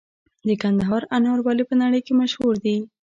د کندهار انار ولې په نړۍ کې مشهور دي؟